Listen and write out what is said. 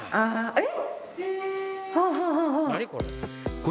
えっ？